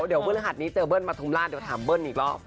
เดี๋ยวพฤหัสนี้เจอเบิ้ลปฐุมราชเดี๋ยวถามเบิ้ลอีกรอบ